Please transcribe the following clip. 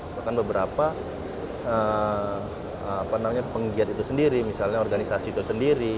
bahkan beberapa penggiat itu sendiri misalnya organisasi itu sendiri